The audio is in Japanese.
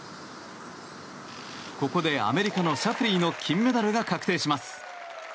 ここでアメリカのシャフリーの金メダルが確定します。